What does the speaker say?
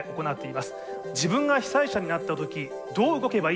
自分が被災者になった時どう動けばいいんだろうか。